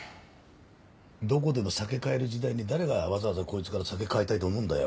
どこでも酒買える時代に誰がわざわざこいつから酒買いたいと思うんだよ。